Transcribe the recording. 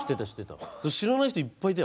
知らない人いっぱいいたよ